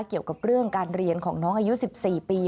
เกี่ยวกับเรื่องการเรียนของน้องอายุ๑๔ปี